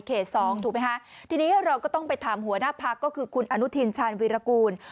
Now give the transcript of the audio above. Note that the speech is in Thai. สองถูกไหมคะทีนี้เราก็ต้องไปถามหัวหน้าพักก็คือคุณอนุทินชาญวีรกูล